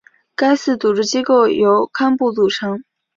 该寺组织机构由堪布组成。